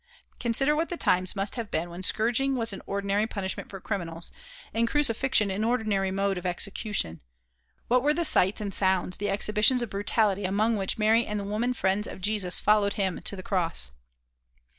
Consider what the times must have been when scourging was an ordinary punishment for criminals, and crucifixion an ordinary mode of execution; what were the sights, the sounds, the exhibitions of brutality among which Mary and the women friends of Jesus followed him to the cross!